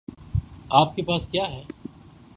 آپ کے پاس کیا ہے؟